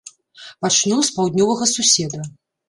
Пачнём з паўднёвага суседа.